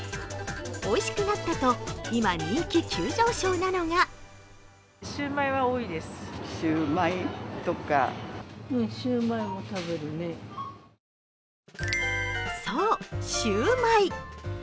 おいしくなったと、今、人気急上昇なのがそう、シュウマイ！